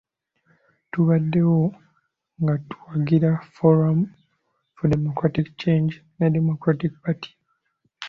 Tubaddewo nga tuwagira Forum for Democratic Change ne Democratic Party.